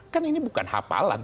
kan ini bukan hafalan